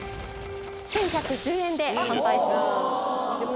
１１１０円で販売します